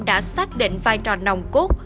đã xác định vai trò nồng cốt